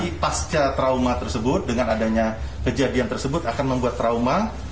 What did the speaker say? jadi pasca trauma tersebut dengan adanya kejadian tersebut akan membuat trauma